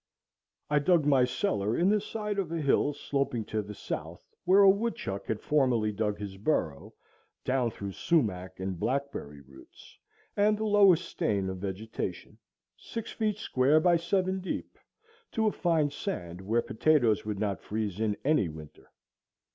I dug my cellar in the side of a hill sloping to the south, where a woodchuck had formerly dug his burrow, down through sumach and blackberry roots, and the lowest stain of vegetation, six feet square by seven deep, to a fine sand where potatoes would not freeze in any winter.